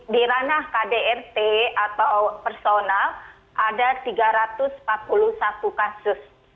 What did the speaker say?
di ranah kdrt atau personal ada tiga ratus empat puluh satu kasus